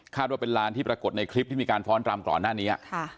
คาดว่าเป็นลานที่ปรากฏในคลิปที่มีการฟ้อนตามกรณ์หน้านี้